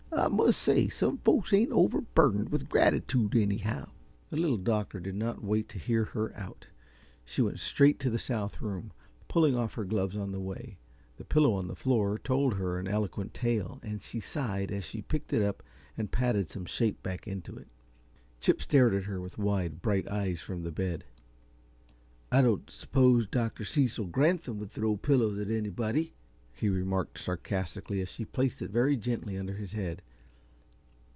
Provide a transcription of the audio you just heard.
I must say some folks ain't overburdened with gratitude, anyhow." The Little Doctor did not wait to hear her out. She went straight to the south room, pulling off her gloves on the way. The pillow on the floor told her an eloquent tale, and she sighed as she picked it up and patted some shape back into it. Chip stared at her with wide, bright eyes from the bed. "I don't suppose Dr. Cecil Granthum would throw pillows at anybody!" he remarked, sarcastically, as she placed it very gently under his head.